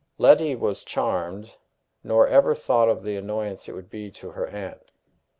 Letty was charmed, nor ever thought of the annoyance it would be to her aunt.